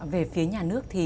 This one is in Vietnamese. về phía nhà nước thì